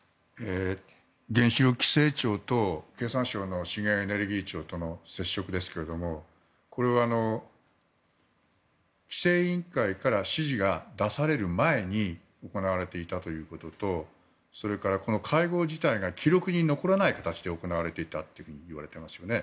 原子力規制庁と経産省の資源エネルギー庁との接触ですがこれは、規制委員会から指示が出される前に行われていたということとそれから、会合自体が記録に残らない形で行われていたといわれていますよね。